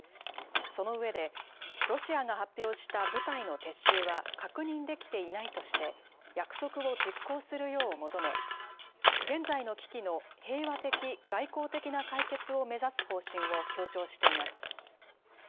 その上で、ロシアが発表した部隊の撤収は確認できていないとして、約束を実行するよう求め、現在の危機の平和的、外交的な解決を目指す方針を強調しています。